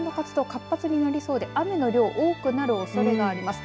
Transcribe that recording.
活発になりそうで雨の量多くなるおそれがあります。